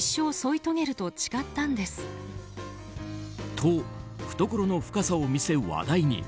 と、懐の深さを見せ話題に。